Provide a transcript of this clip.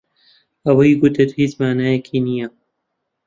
ئەوەی گوتت هیچ مانایەکی نییە.